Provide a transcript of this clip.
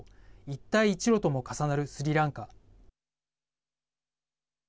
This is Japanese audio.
一帯一路とも重なるスリランカ。